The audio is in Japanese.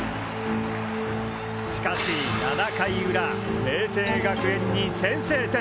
しかし７回裏明青学園に先制点！